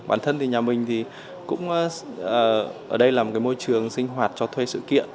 bản thân thì nhà mình cũng ở đây là một môi trường sinh hoạt cho thuê sự kiện